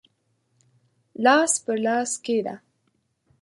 لاس پر لاس کښېږده